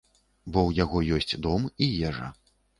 Бо ў яго ёсць дом і ежа.